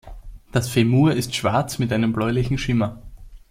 Das Femur ist schwarz mit einem bläulichen Schimmer.